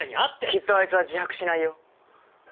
きっとあいつは自白しないよ。